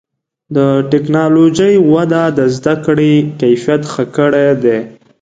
د ټکنالوجۍ وده د زدهکړې کیفیت ښه کړی دی.